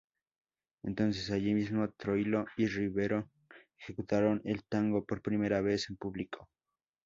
Entonces, allí mismo, Troilo y Rivero ejecutaron el tango por primera vez en público.